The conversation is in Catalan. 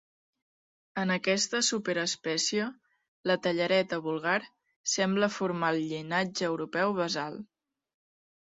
En aquesta superespècie, la tallareta vulgar sembla formar el llinatge europeu basal.